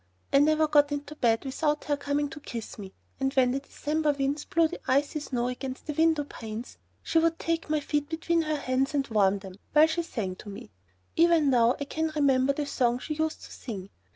I never got into bed without her coming to kiss me, and when the December winds blew the icy snow against the window panes, she would take my feet between her hands and warm them, while she sang to me. Even now I can remember the song she used to sing.